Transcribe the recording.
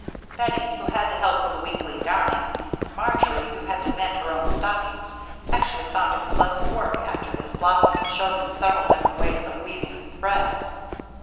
Bettie, who had to help with the weekly darning, and Marjory, who had to mend her own stockings, actually found it pleasant work after Miss Blossom had shown them several different ways of weaving the threads.